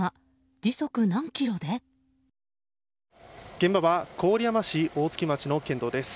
現場は郡山市大槻町の県道です。